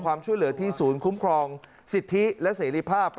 ความช่วยเหลือที่ศูนย์คุ้มครองสิทธิและเสรีภาพ